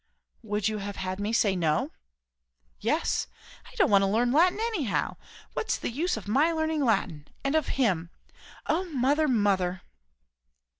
"Would you have had me say no?" "Yes! I don't want to learn Latin anyhow. What's the use of my learning Latin? And of him, O mother, mother!"